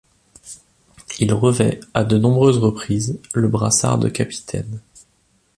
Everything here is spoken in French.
Il revêt à de nombreuses reprises le brassard de capitaine.